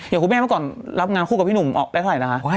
คุณแม่เมื่อก่อนรับงานคู่กับพี่หนุ่มออกได้เท่าไหร่นะคะ